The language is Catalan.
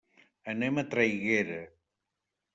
Anem a Traiguera.